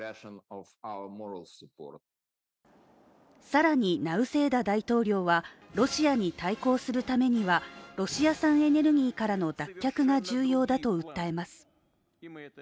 更にナウセーダ大統領はロシアに対抗するためにはロシア産エネルギーからの脱却が重要だと訴えます。